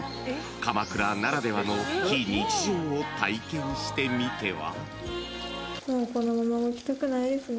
［鎌倉ならではの非日常を体験してみては？］